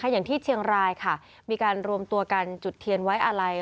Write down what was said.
อย่างที่เชียงรายค่ะมีการรวมตัวกันจุดเทียนไว้อาลัย